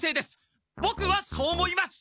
ボクはそう思います！